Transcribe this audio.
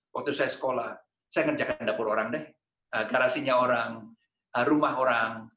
waktu saya sekolah saya mengerjakan dapur orang garasi orang rumah orang